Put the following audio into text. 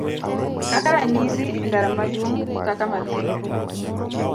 Kaka ranyisi, e ndara maduong' kaka ma Thika,